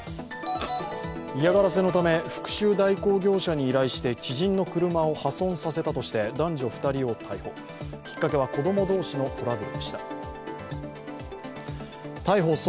嫌がらせのため復しゅう代行業者に依頼して知人の車を破損させたとして男女２人を逮捕。